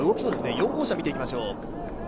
４号車見ていきましょう。